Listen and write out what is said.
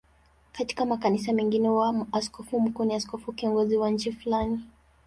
Katika makanisa mengine huwa askofu mkuu ni askofu kiongozi wa nchi fulani.